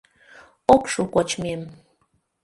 — Ок шу кочмем.